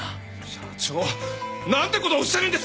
社長！なんて事おっしゃるんですか！！